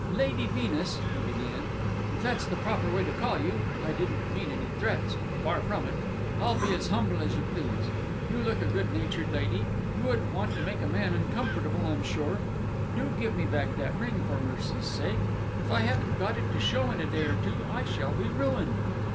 "Lady Venus," he began, "if that's the proper way to call you, I didn't mean any threats far from it. I'll be as humble as you please. You look a good natured lady; you wouldn't want to make a man uncomfortable, I'm sure. Do give me back that ring, for mercy's sake! If I haven't got it to show in a day or two, I shall be ruined!"